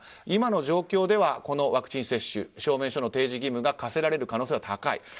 今の状況ではワクチン接種証明書の提示義務が課せられる可能性は高い。